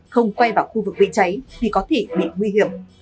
không quay vào khu vực bị cháy thì có thể